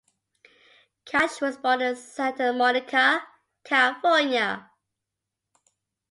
Kasch was born in Santa Monica, California.